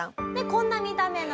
こんな見た目の。